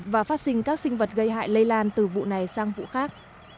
và phát sinh các sinh vật gây hại lây lan từ vụ này sang vụ khác